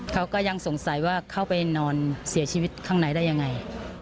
เขาก็ยังสงสัยว่าเข้าไปนอนเสียชีวิตข้างในได้ยังไง